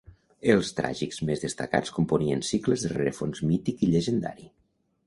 Els tràgics més destacats componien cicles de rerefons mític i llegendari: